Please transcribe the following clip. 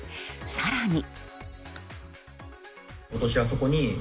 さらに。